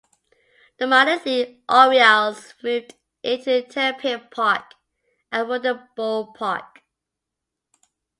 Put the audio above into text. The minor league Orioles moved into Terrapin Park, a wooden ballpark.